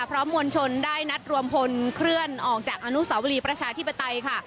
มวลชนได้นัดรวมพลเคลื่อนออกจากอนุสาวรีประชาธิปไตยค่ะ